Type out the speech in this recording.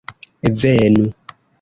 venu